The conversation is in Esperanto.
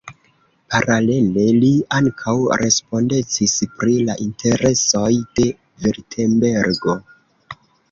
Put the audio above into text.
Paralele li ankaŭ respondecis pri la interesoj de Virtembergo.